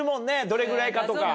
どれぐらいかとか。